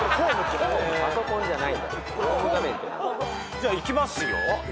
じゃあいきますよ。